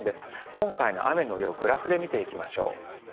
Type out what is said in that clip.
今回の雨の量グラフで見ていきましょう。